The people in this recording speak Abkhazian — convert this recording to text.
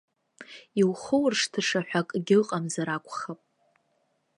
Иухоуршҭыша ҳәа акгьы ыҟамзар акәхап.